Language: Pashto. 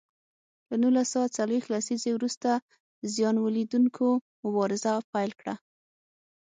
له نولس سوه څلویښت لسیزې وروسته زیان ولیدوونکو مبارزه پیل کړه.